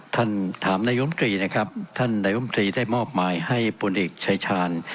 ท่านถามนายมตรีนะครับท่านนายมตรีได้มอบหมายให้พลเอกชายชาญ